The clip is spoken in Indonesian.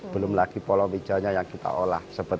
belum lagi polo bijanya yang kita olah